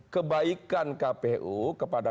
kebaikan kpu kepada